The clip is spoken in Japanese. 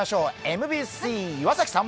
ＭＢＣ、岩崎さん。